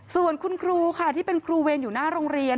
ส่วนคุณครูค่ะที่เป็นครูเวรอยู่หน้าโรงเรียน